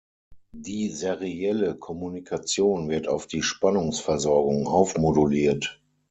Die serielle Kommunikation wird auf die Spannungsversorgung aufmoduliert.